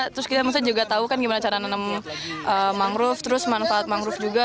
terus kita maksudnya juga tahu kan gimana cara nanam mangrove terus manfaat mangrove juga